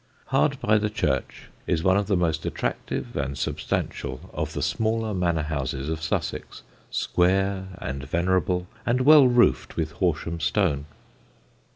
Hard by the church is one of the most attractive and substantial of the smaller manor houses of Sussex, square and venerable and well roofed with Horsham stone.